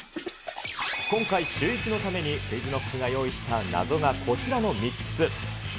今回、シューイチのためにＱｕｉｚＫｎｏｃｋが用意した謎が、こちらの３つ。